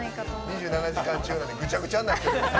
２７時間中なのでぐちゃぐちゃになります。